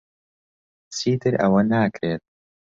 چیتر ئەوە ناکرێت.